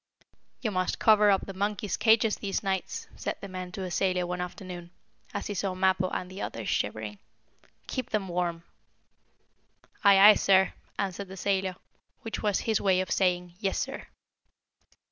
"You must cover up the monkeys' cages these nights," said the man to a sailor one afternoon, as he saw Mappo and the others shivering. "Keep them warm." "Aye, aye, sir," answered the sailor, which was his way of saying, "Yes, sir!"